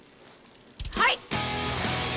はい！